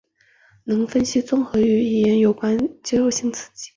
能分析综合与语言有关肌肉性刺激。